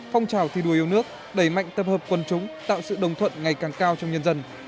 phong trào thi đua yêu nước đẩy mạnh tập hợp quân chúng tạo sự đồng thuận ngày càng cao trong nhân dân